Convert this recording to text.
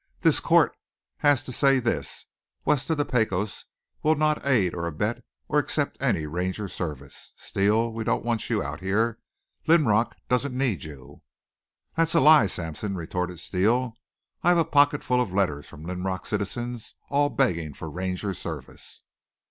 "The court has to say this: West of the Pecos we'll not aid or abet or accept any Ranger Service. Steele, we don't want you out here. Linrock doesn't need you." "That's a lie, Sampson," retorted Steele. "I've a pocket full of letters from Linrock citizens, all begging for Ranger Service."